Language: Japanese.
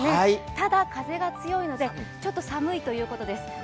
ただ、風が強いのでちょっと寒いということです。